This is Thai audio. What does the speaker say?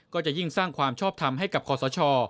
ก็จะยิ่งสร้างความชอบทำให้กับคอสช